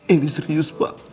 ini serius pak